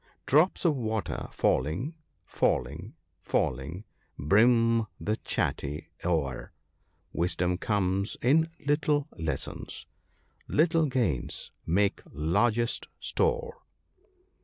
Drops of water falling, falling, falling, brim the chatty ( 50 ) o'er ; Wisdom comes in little lessons— little gains make largest store."